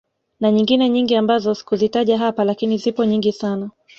Na nyingine nyingi ambazo sikuzitaja hapa lakini zipo nyingi sana